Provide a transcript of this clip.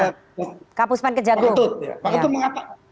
pak puspen kejar agung